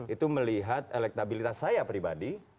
itu melihat elektabilitas saya pribadi